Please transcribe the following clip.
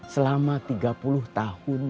selama tiga puluh tahun